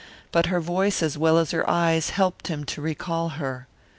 But her voice as well as her eyes helped him to recall her.